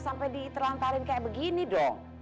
sampai di terlantarin kayak begini dong